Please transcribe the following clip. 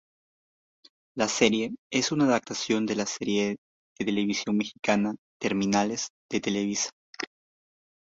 La serie es una adaptación de la serie de televisión mexicana "Terminales" de Televisa.